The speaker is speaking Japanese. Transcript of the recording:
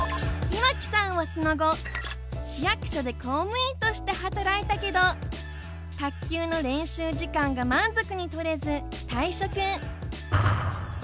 岩城さんはその後市役所で公務員として働いたけど卓球の練習時間が満足に取れず退職。